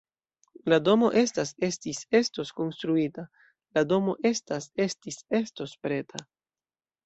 La domo estas, estis, estos konstruita: la domo estas, estis, estos preta.